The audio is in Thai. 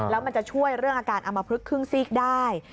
แล้วมันจะช่วยเรื่องอาการอมพลึกครึ่งซีกได้